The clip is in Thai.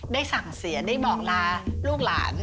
สั่งเสียได้บอกลาลูกหลาน